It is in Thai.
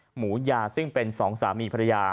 หมูยาซึ่งเป็นสองสามีภรรยา